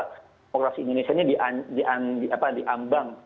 demokrasi indonesia ini diambang